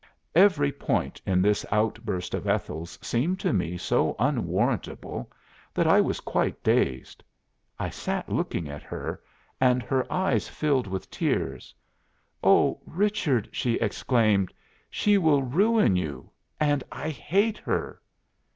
'" "Every point in this outburst of Ethel's seemed to me so unwarrantable that I was quite dazed. I sat looking at her, and her eyes filled with tears. 'Oh Richard!' she exclaimed, 'she will ruin you, and I hate her!